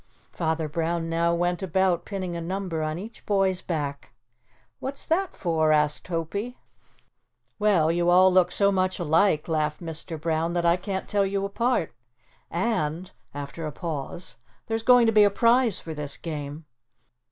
Father Brown now went about, pinning a number on each boy's back. "What's that for?" asked Hopie. "Well, you all look so much alike," laughed Mr. Brown, "that I can't tell you apart. And," after a pause, "there's going to be a prize for this game."